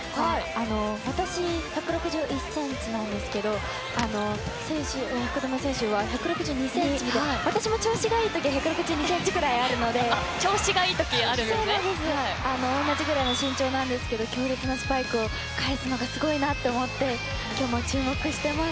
私、１６１ｃｍなんですが福留選手は１６２ｃｍ私も調子が良いとき１６２ｃｍくらいあるので同じくらいの身長なんですが強烈なスパイクを返すのがすごいなって思って今日も注目しています。